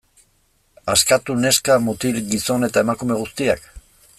Askatu neska, mutil, gizon eta emakume guztiak?